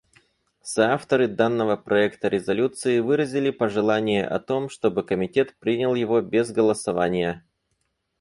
Соавторы данного проекта резолюции выразили пожелание о том, чтобы Комитет принял его без голосования.